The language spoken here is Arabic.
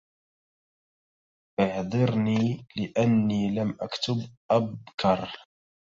إعذرني لأني لم أكتب أبكر.